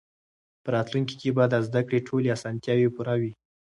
په راتلونکي کې به د زده کړې ټولې اسانتیاوې پوره وي.